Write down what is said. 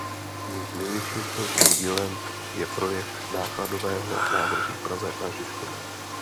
Jejich největším společným dílem je projekt nákladového nádraží v Praze na Žižkově.